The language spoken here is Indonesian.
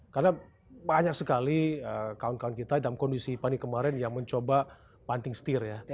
karena banyak sekali kawan kawan kita dalam kondisi panik kemarin yang mencoba panting setir ya